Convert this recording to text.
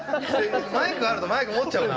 マイクがあるとマイク持っちゃうな。